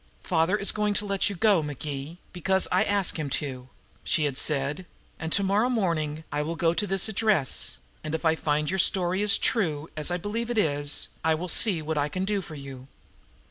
"Father is going to let you go, McGee, because I ask him to," she had said. "And to morrow morning I will go to this address, and if I find your story is true, as I believe it is, I will see what I can do for you."